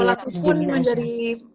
pelaku pun menjadi